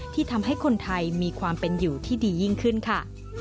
ทำให้คนไทยมีความเป็นอยู่ที่ดียิ่งขึ้นค่ะ